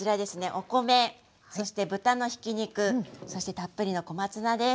お米そして豚のひき肉そしてたっぷりの小松菜です。